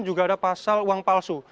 juga ada pasal uang palsu